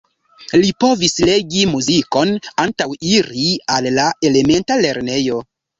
Li povis legi muzikon antaŭ iri al la elementa lernejo.